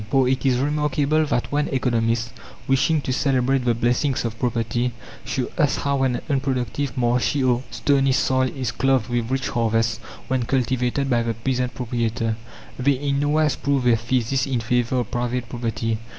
For it is remarkable that when economists, wishing to celebrate the blessings of property, show us how an unproductive, marshy, or stony soil is clothed with rich harvests when cultivated by the peasant proprietor, they in nowise prove their thesis in favour of private property.